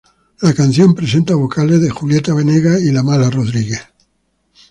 La canción presenta vocales de Julieta Venegas y La Mala Rodríguez.